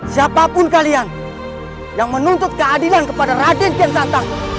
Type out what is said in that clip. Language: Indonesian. siapapun kalian yang menuntut keadilan kepada raden kian santang